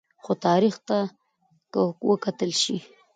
خو تاریخ ته که وکتل شي